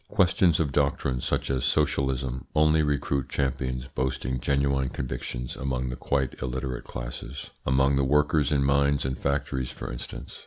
Questions of doctrine, such as socialism, only recruit champions boasting genuine convictions among the quite illiterate classes, among the workers in mines and factories, for instance.